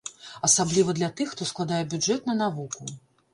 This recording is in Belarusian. Асабліва для тых, хто складае бюджэт на навуку.